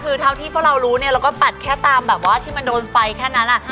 คือเท่าที่พวกเรารู้เนี่ยเราก็ปัดแค่ตามแบบว่าที่มันโดนไฟแค่นั้น